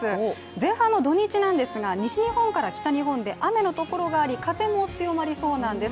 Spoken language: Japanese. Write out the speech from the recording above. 前半の土日なんですが、西日本から北日本で雨のところがあり風も強まりそうなんです。